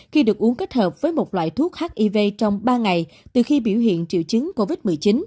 khi được uống kết hợp với một loại thuốc hiv trong ba ngày từ khi biểu hiện triệu chứng covid một mươi chín